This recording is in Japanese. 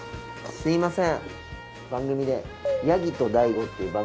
すみません。